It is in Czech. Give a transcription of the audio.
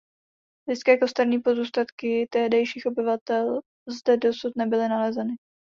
Lidské kosterní pozůstatky tehdejších obyvatel zde dosud nebyly nalezeny.